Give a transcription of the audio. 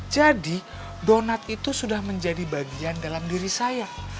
jadi donat itu sudah menjadi bagian dalam diri saya